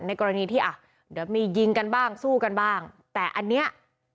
ในกรณีที่ถ้ามีหยิงกันบ้างสู้กันบ้างแต่อันเนี้ย